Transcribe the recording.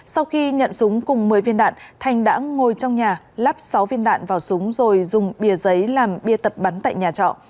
sau khi nhận súng cùng một mươi viên đạn thành đã ngồi trong nhà lắp sáu viên đạn vào súng rồi dùng bìa giấy làm bia tập bắn tại nhà trọ